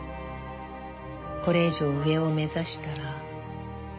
これ以上上を目指したら。